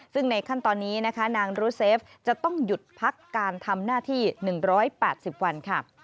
ซึ่งในขั้นตอนนี้นะคะนางรูเซฟจะต้องหยุดพักการทำหน้าที่๑๘๐วันค่ะ